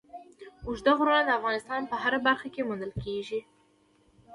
اوږده غرونه د افغانستان په هره برخه کې موندل کېږي.